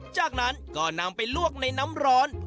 จากนั้นก็นำไปลวกในน้ำร้อน